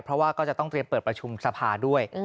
เพราะว่าก็จะต้องเตรียมเปิดประชุมสภาด้วย